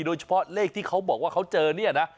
โดยเฉพาะเลขที่เขาบอกว่าเขาเจอเนี่ยนะ